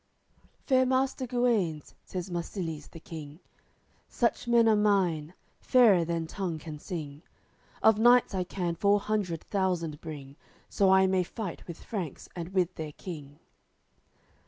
AOI. XLIII "Fair Master Guenes," says Marsilies the King, "Such men are mine, fairer than tongue can sing, Of knights I can four hundred thousand bring So I may fight with Franks and with their King."